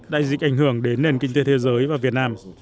đại dịch ảnh hưởng đến nền kinh tế thế giới và việt nam